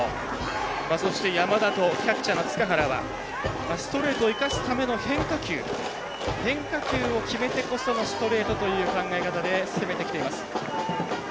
そして、山田とキャッチャーの塚原はストレートを生かすための変化球変化球を決めてこそのストレートという考え方で攻めてきています。